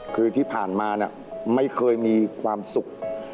คือที่ผ่านมาไม่เคยมีความสุข